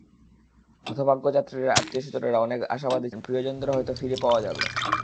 হতভাগ্য যাত্রীদের আত্মীয়স্বজনেরা অনেকে আশাবাদী ছিলেন, প্রিয়জনদের হয়তো ফিরে পাওয়া যাবে।